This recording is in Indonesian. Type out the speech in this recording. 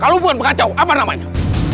kalau bukan mengacau apa namanya